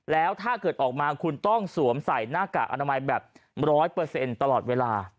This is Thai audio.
แล้วถ้าเกิดออกมาคุณต้องสวมใส่หน้ากากอนามัยแบบ๑๐๐ตลอดเวลา